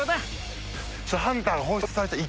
ハンターが放出されたら。